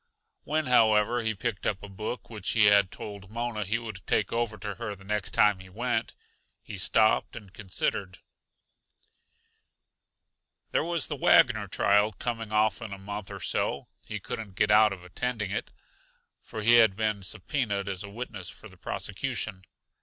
When, however, he picked up a book which he had told Mona he would take over to her the next time he went, he stopped and considered: There was the Wagner trial coming off in a month or so; he couldn't get out of attending it, for he had been subpoenaed as a witness for the prosecution.